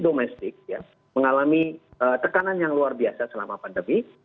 domestik mengalami tekanan yang luar biasa selama pandemi